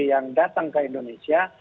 yang datang ke indonesia